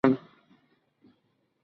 Está emplazada en un corte del terreno.